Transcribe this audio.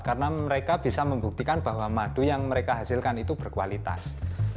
karena mereka bisa membuktikan bahwa madu yang mereka hasilkan itu berkualitas